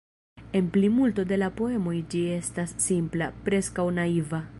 En plimulto de la poemoj ĝi estas simpla, preskaŭ naiva.